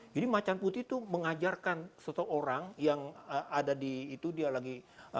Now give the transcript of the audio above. jadi macan putih itu mengajarkan seseorang yang ada di itu dia lagi apa lagi apa dia lagi ada di hutan